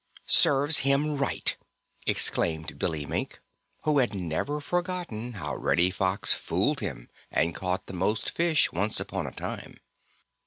"Serves him right!" exclaimed Billy Mink, who has never forgotten how Reddy Fox fooled him and caught the most fish once upon a time.